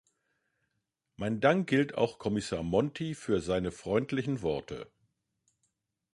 Mein Dank gilt auch Kommissar Monti für seine freundlichen Worte.